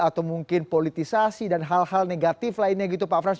atau mungkin politisasi dan hal hal negatif lainnya gitu pak frans